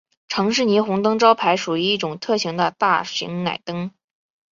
城市霓虹灯招牌属于一种特殊的大型氖灯。